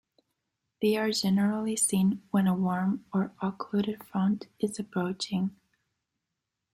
They are generally seen when a warm or occluded front is approaching.